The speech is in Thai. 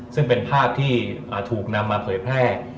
ซึ่งเป็นภาพที่ถูกนำมาเผยแพร่